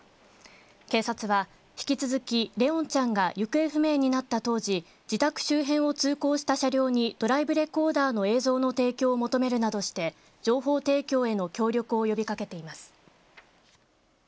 警察は引き続き怜音ちゃんが行方不明になった当時自宅周辺を通行した車両にドライブレコーダーの映像の提供を求めるなどして情報提供への協力を呼びかけています。